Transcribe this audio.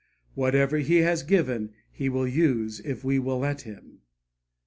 Whatever He has given, He will use, if we will let Him.